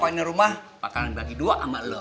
pokoknya rumah bakalan dibagi dua ama lu